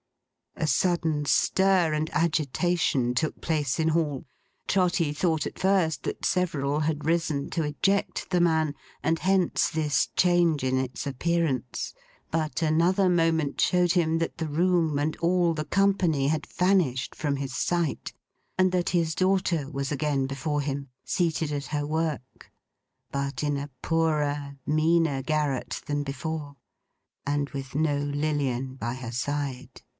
A sudden stir and agitation took place in Hall. Trotty thought at first, that several had risen to eject the man; and hence this change in its appearance. But, another moment showed him that the room and all the company had vanished from his sight, and that his daughter was again before him, seated at her work. But in a poorer, meaner garret than before; and with no Lilian by her side.